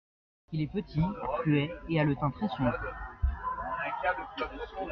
Il est petit, fluet, et a le teint très sombre.